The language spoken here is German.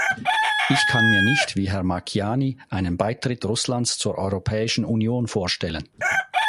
Ich kann mir nicht wie Herr Marchiani einen Beitritt Russlands zur Europäischen Union vorstellen.